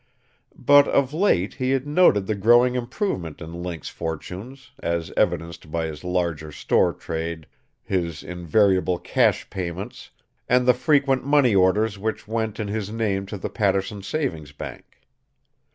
But of late he had noted the growing improvement in Link's fortunes, as evidenced by his larger store trade, his invariable cash payments and the frequent money orders which went in his name to the Paterson savings bank.